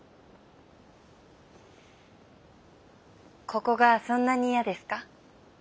ここがそんなに嫌ですか？